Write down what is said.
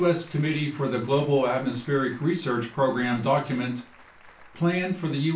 S. Committee for the Global Atmospheric Research Program document Plan for U.